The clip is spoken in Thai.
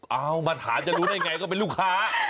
เอามาถามจะรู้ได้ไงก็เป็นลูกค้า